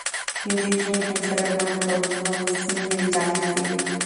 He is usually considered one of the Lusignan dynasty.